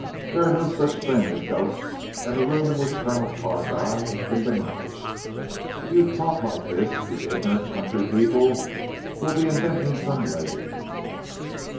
"There are no such things as ghosts, and the room in which Colonel Carr died has been demolished. If you talk like this the ignorant country people will be inventing some legend."